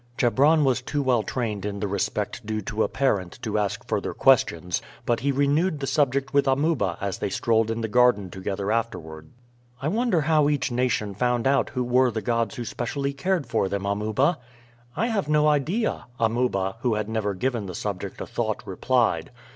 Chebron was too well trained in the respect due to a parent to ask further questions, but he renewed the subject with Amuba as they strolled in the garden together afterward. "I wonder how each nation found out who were the gods who specially cared for them, Amuba?" "I have no idea," Amuba, who had never given the subject a thought, replied.